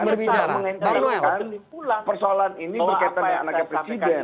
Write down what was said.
penipuan bahwa apa yang saya sampaikan